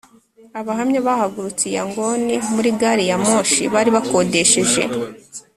Abahamya bahagurutse i Yangon muri gari ya moshi bari bakodesheje